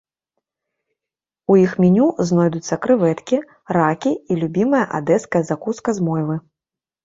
У іх меню знойдуцца крэветкі, ракі і любімая адэская закуска з мойвы.